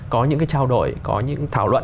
có những cái trao đổi có những thảo luận